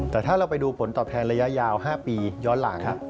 แต่ถ้าเราไปดูผลตอบแทนระยะยาว๕ปีย้อนหลัง